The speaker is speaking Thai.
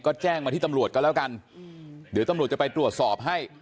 ก็แจ้งมาที่ตำรวจก็แล้วกันเดี๋ยวตำรวจจะไปตรวจสอบให้